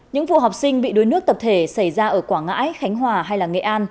những vụ học sinh bị đuối nước tập thể xảy ra ở quảng ngãi khánh hòa hay nghệ an